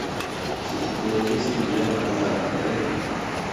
Su tipología es similar a la argárica.